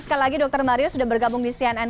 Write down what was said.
sekali lagi dr mario sudah bergabung di cnn